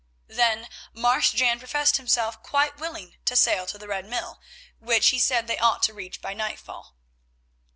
Then Marsh Jan professed himself quite willing to sail to the Red Mill, which he said they ought to reach by nightfall.